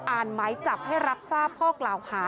อ่านไม้จับให้รับทราบพ่อกล่าวภา